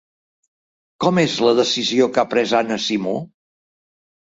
Com és la decisió que ha pres Anna Simó?